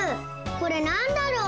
これなんだろう？